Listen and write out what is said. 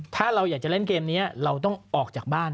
ถ้าเราอยากจะเล่นเกมนี้เราต้องออกจากบ้าน